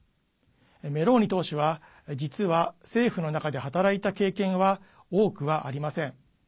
メローニ党首は実は、政府の中で働いた経験は多くはありません。